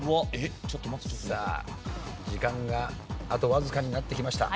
さあ時間があとわずかになってきました。